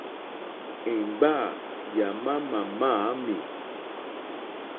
Èŋɡbâ yà má màmâ ámì.